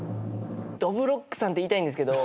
どぶろっくさんって言いたいんですけど。